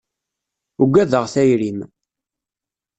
Ugadeɣ tayri-m.